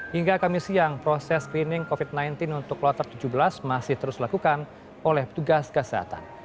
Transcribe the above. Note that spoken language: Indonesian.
hingga kamis siang proses screening covid sembilan belas untuk kloter tujuh belas masih terus dilakukan oleh petugas kesehatan